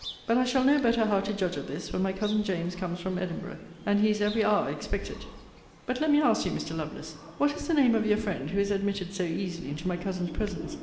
But I shall know better how to judge of this, when my cousin James comes from Edinburgh; and he is every hour expected. But let me ask you, Mr. Lovelace, what is the name of your friend, who is admitted so easily into my cousin's presence?